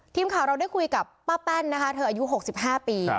ทีมข่าวเราได้คุยกับป้าแป้นนะคะเธออายุ๖๕ปี